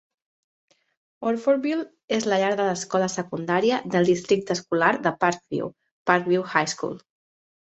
Orfordville és la llar de l'escola secundària del districte escolar de Parkview, Parkview High School.